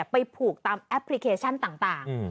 ไปผูกตามแอปพลิเคชันต่าง